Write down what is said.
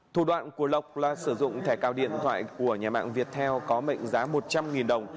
thủ đoạn của lộc là sử dụng thẻ cao điện thoại của nhà mạng viettel có mệnh giá một trăm linh đồng